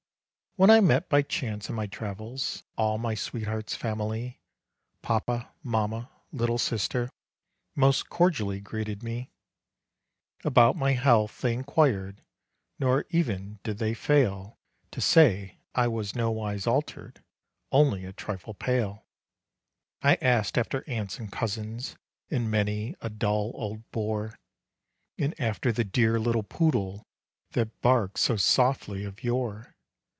When I met by chance in my travels All my sweetheart's family, Papa, mamma, little sister Most cordially greeted me. About my health they inquired; Nor even did they fail To say I was nowise altered, Only a trifle pale. I asked after aunts and cousins, And many a dull old bore. And after the dear little poodle, That barked so softly of yore.